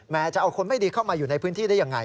จะเอาคนไม่ดีเข้ามาอยู่ในพื้นที่ได้ยังไง